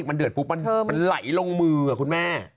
มันเดือดปุ๊บมันไหลลงมือคุณแม่